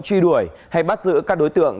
truy đuổi hay bắt giữ các đối tượng